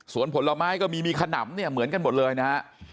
ส่วนผลไม้ก็มีมีขนำเนี่ยเหมือนกันหมดเลยนะฮะ